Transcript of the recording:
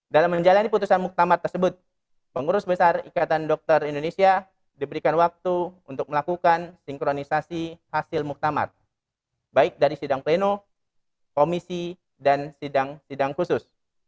dalam menjalani putusan muktamar tersebut pengurus besar ikatan dokter indonesia diberikan waktu untuk melakukan sinkronisasi hasil muktamar baik dari sidang pleno komisi dan sidang sidang khusus